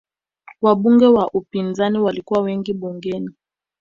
Wabunge wa upinzani walikuwa wengi bungeni